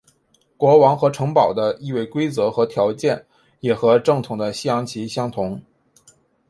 国王和城堡的易位规则和条件也和正统的西洋棋相同。